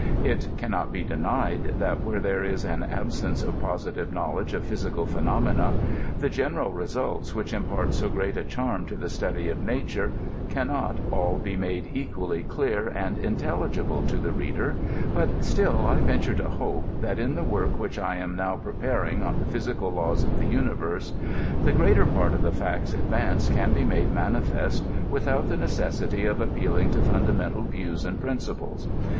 It can not be denied, that where there is an absence of positive knowledge of physical phenomena, the general results which impart so great a charm to the study of nature can not all be made equally clear and intelligible to the reader, but still I venture to hope, that in the work which I am now prepar ing on the physical laws of the universe, the greater part of the facts advanced can be made manifest without the neces sity of appealing to fundamental views and principles.